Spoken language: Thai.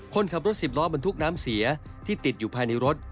คนขับรถ๑๐ล้อเมืองทุกข์น้ำเสียที่ติดอยู่ภายในรถ